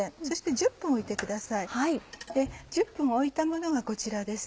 １０分置いたものがこちらです。